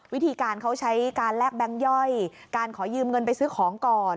วิธีการเขาใช้การแลกแบงค์ย่อยการขอยืมเงินไปซื้อของก่อน